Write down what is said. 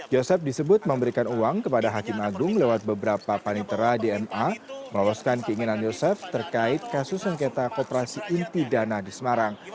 yosep disebut memberikan uang kepada hakim agung lewat beberapa panitera di ma meloloskan keinginan yosef terkait kasus sengketa kooperasi inti dana di semarang